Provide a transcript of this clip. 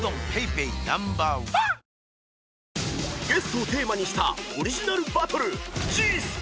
［ゲストをテーマにしたオリジナルバトル］